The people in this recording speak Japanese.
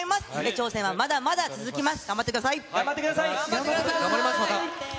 挑戦はまだまだ続きます。